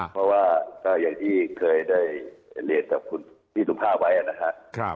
เพราะว่าก็อย่างที่เคยได้เรียนกับคุณพี่สุภาพไว้นะครับ